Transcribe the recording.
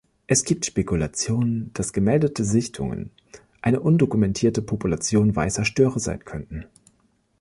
Es gibt Spekulationen, dass gemeldete Sichtungen eine undokumentierte Population weißer Störe sein könnten.